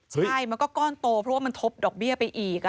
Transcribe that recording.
ใช่มันก็ก้อนโตเพราะว่ามันทบดอกเบี้ยไปอีก